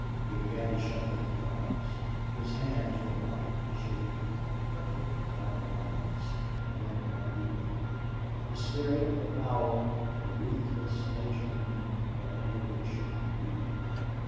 He began to shuffle the cards. His hands were white, shapely, perfect, like a woman's, and yet not beautiful. The spirit, the power, the ruthless nature in them had no relation to beauty.